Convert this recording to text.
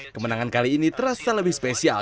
kemenangan kali ini terasa lebih spesial